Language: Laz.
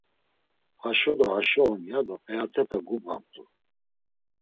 Haşo do haşo on, yado p̌eat̆epe gubğamt̆u.